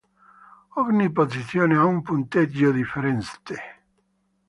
Ogni posizione ha un punteggio differente.